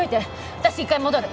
私一回戻る！